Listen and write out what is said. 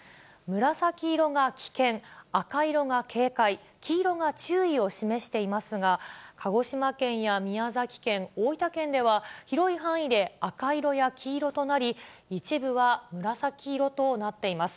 紫色が危険、赤色が警戒、黄色が注意を示していますが、鹿児島県や宮崎県、大分県では、広い範囲で赤色や黄色となり、一部は紫色となっています。